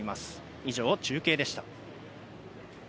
以上、中継でした。